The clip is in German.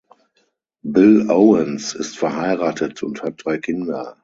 Bill Owens ist verheiratet und hat drei Kinder.